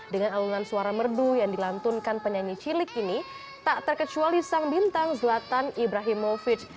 dengan alunan suara merdu yang dilantunkan penyanyi cilik ini tak terkecuali sang bintang zlatan ibrahimovic